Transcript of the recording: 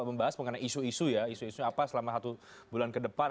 membahas mengenai isu isu ya isu isu apa selama satu bulan ke depan